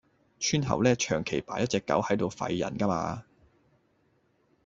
村口呢，長期擺隻狗喺度吠人㗎嘛